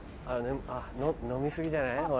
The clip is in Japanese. あぁ飲み過ぎじゃない？